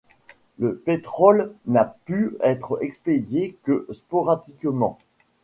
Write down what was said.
Le pétrole n'a pu être expédié que sporadiquement.